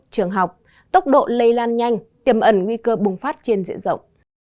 trường học tốc độ lây lan nhanh tiềm ẩn nguy cơ bùng phát trên diện rộng